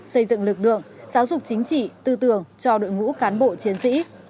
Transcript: xây dựng lực lượng giáo dục chính trị tư tưởng cho đội ngũ cán bộ chiến sĩ